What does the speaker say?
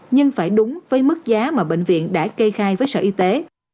nhưng phải đúng với mức giá mà bệnh viện đã kê khai với sở y tế